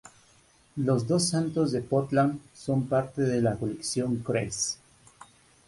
Los dos santos de Portland son parte de la colección Kress.